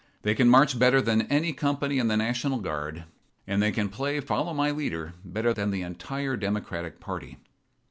They can march better than any company in the National Guard, and they can play 'follow my leader' better than the entire Democratic party.